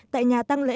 tại nhà tăng lệnh